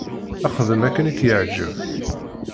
Xdem akken i k-yeɛǧeb.